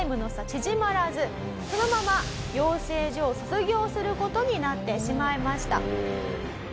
縮まらずそのまま養成所を卒業する事になってしまいました。